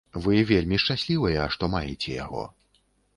Вы вельмі шчаслівыя, што маеце яго.